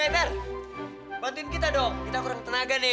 eh ter bantuin kita dong kita kurang tenaga nih